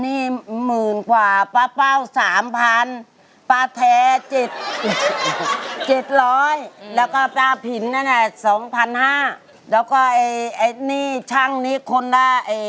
นี่หมื่นกว่าป้าเป้า๓๐๐๐ป้าแท้๗๐๐แล้วก็ป้าผิน๒๕๐๐แล้วก็นี่ช่างนี้คนละ๑๕๐๐